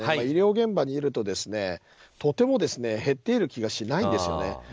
医療現場にいると、とても減っている気がしないんですよね。